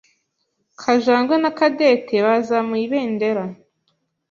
Kajangwe Na Cadette bazamuye ibendera.